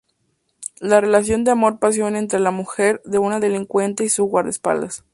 La relación de amor-pasión entre la mujer de un delincuente y su guardaespaldas.